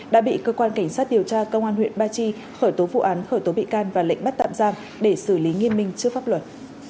đã bị cơ quan cảnh sát điều tra công an huyện ba chi khởi tố vụ án khởi tố bị can và lệnh bắt tạm giam để xử lý nghiêm minh trước pháp luật